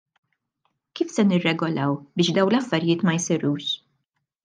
Kif se nirregolaw biex dawn l-affarijiet ma jsirux?